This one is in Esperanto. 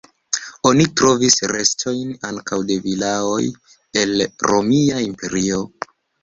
Oni trovis restojn ankaŭ de vilaoj el la Romia Imperio.